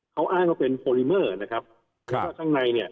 เขาอ้างว่าเป็นนะครับครับข้างในเนี่ย